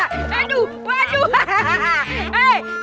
aduh aduh aduh aduh